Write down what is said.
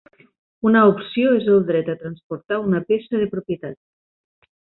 Una opció és el dret a transportar una peça de propietat.